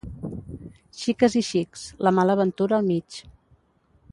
Xiques i xics, la mala ventura al mig.